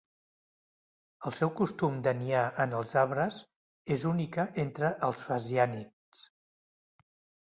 El seu costum de niar en els arbres és única entre els fasiànids.